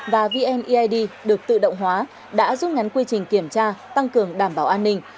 và vnid được tự động hóa đã giúp ngắn quy trình kiểm tra tăng cường đảm bảo an ninh